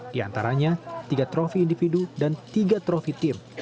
di antaranya tiga trofi individu dan tiga trofi tim